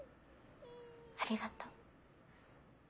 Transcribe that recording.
ありがとう。